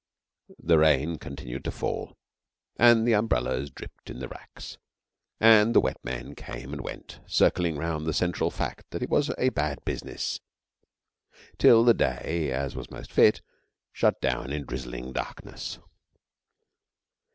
The rain continued to fall, and the umbrellas dripped in the racks, and the wet men came and went, circling round the central fact that it was a bad business, till the day, as was most fit, shut down in drizzling darkness.